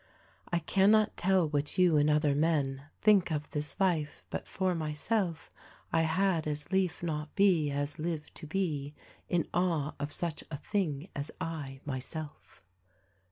"I cannot tell what you and other men Think of this life ; but, for myself I had as lief not be, as live to be In awe of such a thing as I myself."